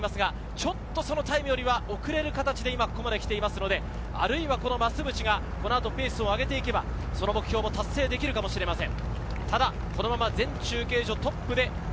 ちょっとそのタイムよりは遅れる形でここまで来ているので、増渕がこの後ペースを上げて行けばその目標を達成することができるかもしれません。